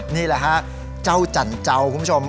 นี่แหละครับเจ้าจันเขาคุณผู้ชม